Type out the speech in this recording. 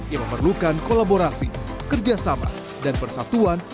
yang memerlukan kolaborasi kerjasama dan persatuan